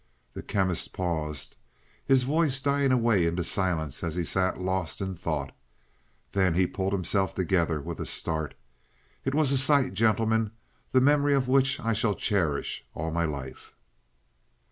The Chemist paused, his voice dying away into silence as he sat lost in thought. Then he pulled himself together with a start. "It was a sight, gentlemen, the memory of which I shall cherish all my life.